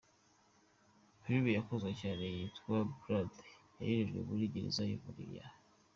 filime yakunzwe cyane yitwa Blade yagejejwe muri gereza yo muri ya.